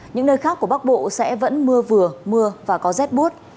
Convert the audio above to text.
những nơi khác của bắc bộ sẽ vẫn mưa vừa mưa và có rét bút